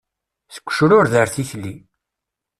Seg ucrured ar tikli.